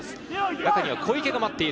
中には小池が待っている。